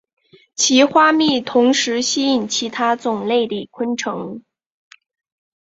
其花蜜同时吸引其他种类的昆虫。